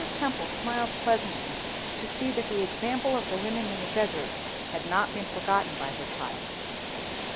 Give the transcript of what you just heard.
Temple smiled pleasantly to see that the example of the women in the desert had not been forgotten by her child.